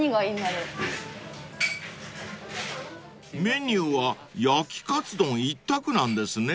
［メニューは焼きカツ丼一択なんですね］